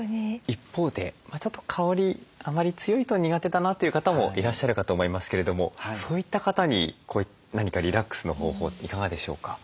一方でちょっと香りあまり強いと苦手だなという方もいらっしゃるかと思いますけれどもそういった方に何かリラックスの方法いかがでしょうか？